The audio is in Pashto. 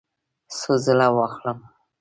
څو ځله واخلم؟